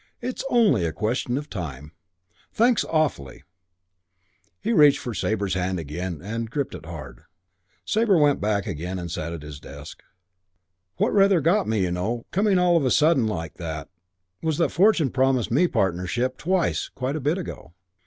It's only a question of time. Thanks awfully." He reached for Sabre's hand again and again gripped it hard. Sabre went back and sat against his desk. "What rather got me, you know, coming all of a sudden like that, was that Fortune promised me partnership, twice, quite a bit ago."